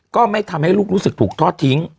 ก็ไม่ทำให้ลูกรู้สึกถูกทอดทิ้ง